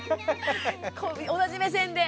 同じ目線で。